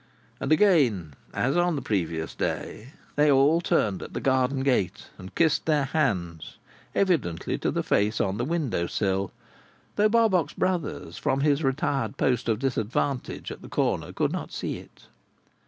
And again, as on the previous day, they all turned at the garden gate, and kissed their hands—evidently to the face on the window sill, though Barbox Brothers from his retired post of disadvantage at the corner could not see it.